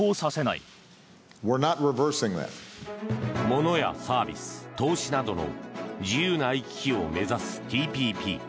物やサービス、投資などの自由な行き来を目指すＴＰＰ。